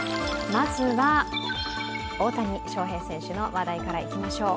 まずは大谷翔平選手の話題からいきましょう。